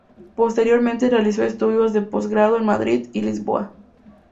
Posteriormente realizó estudios de postgrado en Madrid y Lisboa.